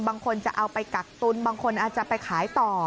บางคนจะเอาไปกักตุนบางคนอาจจะไปขายต่อ